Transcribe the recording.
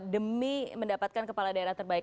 demi mendapatkan kepala daerah terbaik